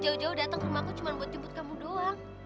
jauh jauh datang ke rumahku cuma buat jemput kamu doang